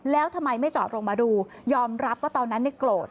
แล้วทำไมไม่จอดลงมาดูยอมรับว่าตอนนั้นเนี่ยโกรธ